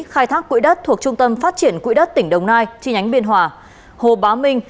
khai thác quỹ đất thuộc trung tâm phát triển quỹ đất tỉnh đồng nai chi nhánh biên hòa hồ bá minh